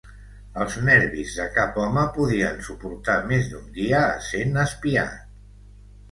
Els nervis de cap home podien suportar més d'un dia essent espiat.